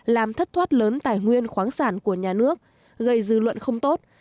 làm thất thoát lớn tài nguyên khoáng sản của nhà nước gây dư luận không tốt